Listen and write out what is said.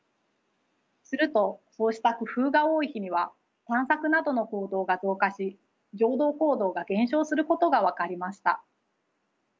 するとそうした工夫が多い日には探索などの行動が増加し常同行動が減少することが分かりました。